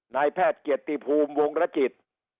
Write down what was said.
นายแพทย์เกียรติภูมิวงรจิต